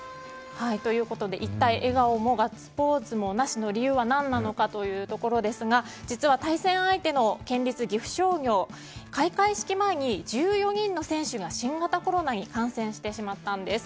一体笑顔もガッツポーズもなしの理由は何なのかというところですが実は対戦相手の県立岐阜商業は開会式前に１４人の選手が新型コロナに感染してしまったんです。